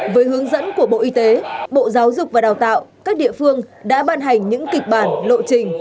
với hướng dẫn của bộ y tế bộ giáo dục và đào tạo các địa phương đã ban hành những kịch bản lộ trình